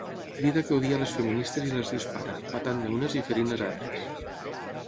Crida que odia les feministes i les dispara, matant-ne unes i ferint les altres.